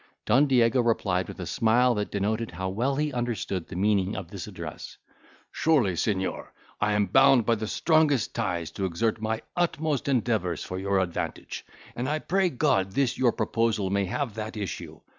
Don Diego replied, with a smile that denoted how well he understood the meaning of this address, "Surely, Signior, I am bound by the strongest ties to exert my utmost endeavours for your advantage; and I pray God this your proposal may have that issue.